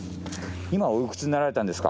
今おいくつになられたんですか？